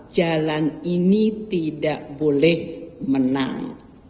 jalan ini tidak boleh menang